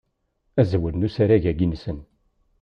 Azwel n usarag-agi-nsen.